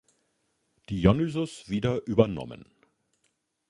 Dionysius wieder übernommen.